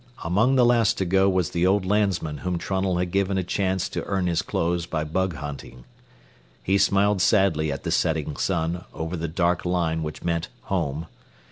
Among the last to go was the old landsman whom Trunnell had given a chance to earn his clothes by bug hunting. He smiled sadly at the setting sun over the dark line which meant home.